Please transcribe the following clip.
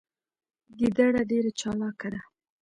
ګیدړه ډیره چالاکه ده